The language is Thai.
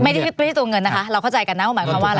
ไม่ได้ตัวเงินนะคะเราเข้าใจกันนะว่าหมายความว่าอะไร